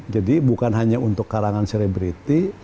jadi bukan hanya untuk karangan selebriti